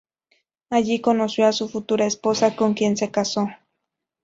Allí conoció a su futura esposa, con quien se casó.